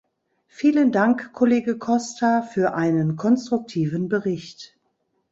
Vielen Dank, Kollege Costa, für einen konstruktiven Bericht.